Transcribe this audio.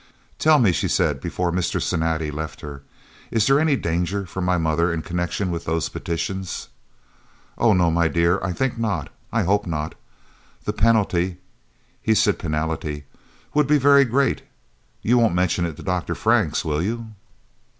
"Tell me," she said before Mr. Cinatti left her. "Is there any danger for my mother in connection with those petitions?" "Oh no, my dear, I think not. I hope not. The penalty" (he said "penality") "would be very great. You won't mention it to Dr. Franks, will you?"